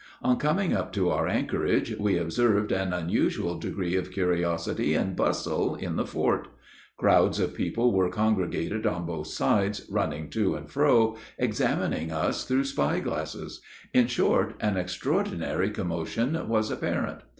On coming up to our anchorage, we observed an unusual degree of curiosity and bustle in the fort; crowds of people were congregated on both sides, running to and fro, examining us through spyglasses; in short, an extraordinary commotion was apparent.